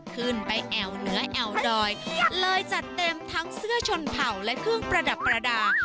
แอวเหนือแอวดอยเลยจัดเต็มทั้งเสื้อชนเผ่าและเครื่องประดับประดาษ